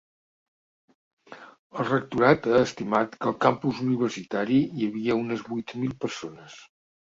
El rectorat ha estimat que al campus universitari hi havia unes vuit mil persones.